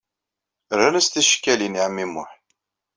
Rran-as ticekkalin i ɛemmi Muḥ.